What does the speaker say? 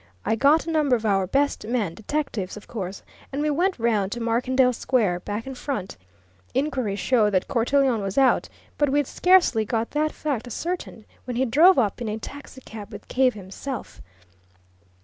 I got a number of our best men detectives, of course and we went round to Markendale Square, back and front. Inquiry showed that Cortelyon was out, but we'd scarcely got that fact ascertained when he drove up in a taxicab with Cave himself.